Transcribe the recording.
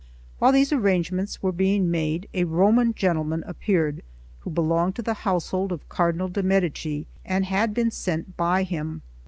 While these arrangements were being made, A Roman gentleman appeared, who belonged to the household of Cardinal de' Medici, and had been sent by him.